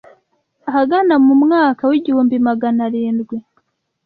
ahagana mu mwaka w’ igihumbi maganarindwi